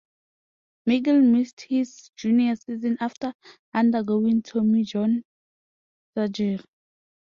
Megill missed his junior season after undergoing Tommy John surgery.